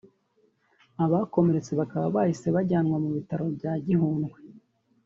abakomeretse bakaba bahise bajyanwa mu bitaro bya Gihundwe